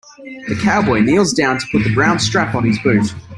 The cowboy kneels down to put the brown strap on his boot.